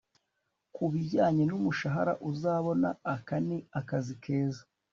kubijyanye n'umushahara uzabona, aka ni akazi keza